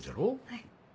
はい。